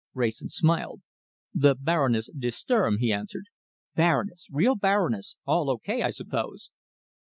Wrayson smiled. "The Baroness de Sturm," he answered. "Baroness! Real Baroness! All O.K., I suppose?"